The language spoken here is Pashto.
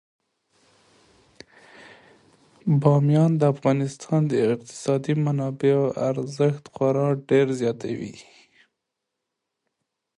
بامیان د افغانستان د اقتصادي منابعو ارزښت خورا ډیر زیاتوي.